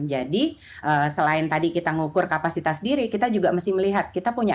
jadi selain tadi kita ngukur kapasitas diri kita juga mesti melihat kita punya